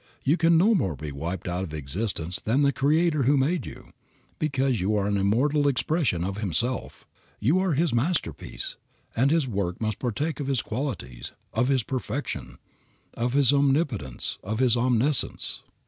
You can no more be wiped out of existence than the Creator who made you, because you are an immortal expression of Himself. You are His masterpiece, and His work must partake of His qualities, of His perfection, of His omnipotence, of His omniscience.